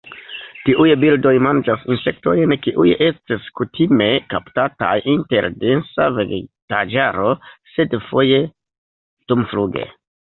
Tiuj birdoj manĝas insektojn, kiuj ests kutime kaptataj inter densa vegetaĵaro, sed foje dumfluge.